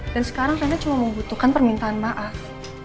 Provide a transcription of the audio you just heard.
dan sekarang reina cuma membutuhkan permintaan maaf